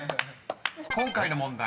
［今回の問題